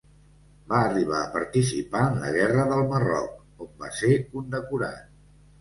Va arribar a participar en la guerra del Marroc, on va ser condecorat.